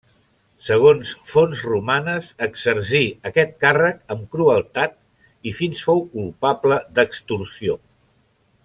Segons fonts romanes, exercí aquest càrrec amb crueltat i fins fou culpable d'extorsió.